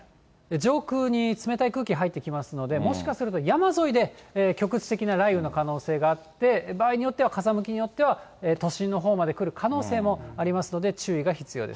上空に冷たい空気、入ってきますので、もしかすると山沿いで局地的な雷雨の可能性があって、場合によっては、風向きによっては、都心のほうまで来る可能性もありますので注意が必要です。